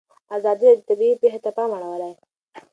ازادي راډیو د طبیعي پېښې ته پام اړولی.